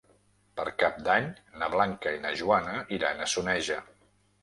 Per Cap d'Any na Blanca i na Joana iran a Soneja.